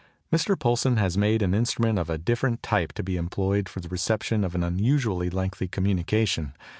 Mr. Poulsen has made an instrument of a different type to be employed for the reception of an unusually lengthy communication.